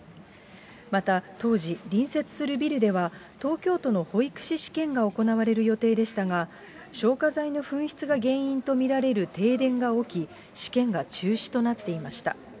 また、当時、隣接するビルでは、東京都の保育士試験が行われる予定でしたが、消火剤の噴出が原因と見られる停電が起き、試験が中止となっていました。